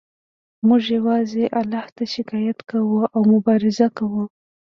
موږ یوازې الله ته شکایت کوو او مبارزه کوو